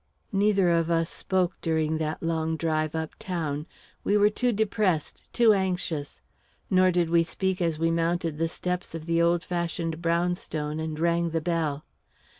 Neither of us spoke during that long drive uptown. We were too depressed, too anxious. Nor did we speak as we mounted the steps of the old fashioned brownstone and rang the bell.